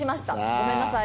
ごめんなさい。